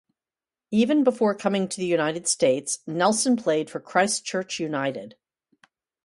Even before coming to the United States, Nelsen played for Christchurch United.